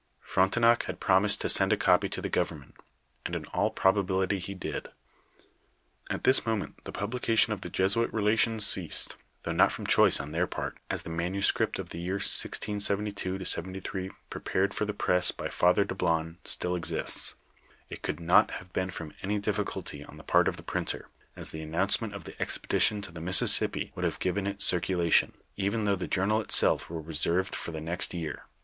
Frontennc had promised to send a copy to the government, and in all proba bility he did. At tins moment the publication of the Jesuit Relations ceases ; though not from choice on their part as the manuscript of the year 1672 '73 prepared or the press by Father Dablon, still exists ; it coul lOt have been from any diflSculty on the part of the printer, as the announcement of the expedition to the Mississippi would have given it circula tion, even though the jounial itself were reserved for the next year.